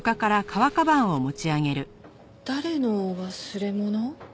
誰の忘れ物？